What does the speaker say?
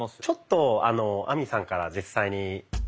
ちょっと亜美さんから実際に。